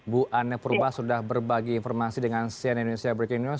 bu ane purba sudah berbagi informasi dengan cnn indonesia breaking news